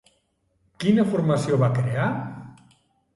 Quina formació va crear?